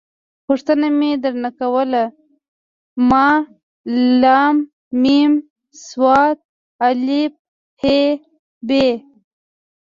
پوښتنه مې در نه کوله ما …ل …م ص … ا .. ح… ب.